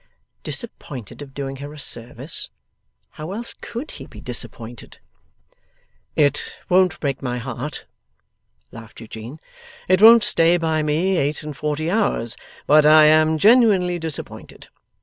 Disappointed of doing her a service. How else COULD he be disappointed? 'It won't break my heart,' laughed Eugene; 'it won't stay by me eight and forty hours; but I am genuinely disappointed.